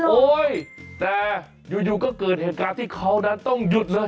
โอ๊ยแต่อยู่ก็เกิดเหตุการณ์ที่เขานั้นต้องหยุดเลย